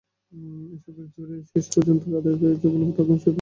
এসবের জেরে শেষ পর্যন্ত কাদের সরে গেছেন বলে তাঁর ঘনিষ্ঠজনদের ধারণা।